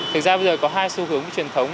thực ra bây giờ có hai xu hướng truyền thống